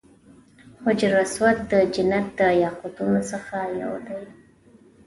حجر اسود د جنت د یاقوتو څخه یو دی.